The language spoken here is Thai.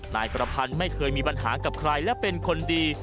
นายประพันธ์ไม่เคยมีปัญหากับใครและเป็นคนดี